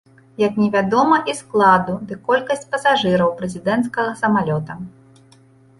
Як невядома і складу ды колькасці пасажыраў прэзідэнцкага самалёта.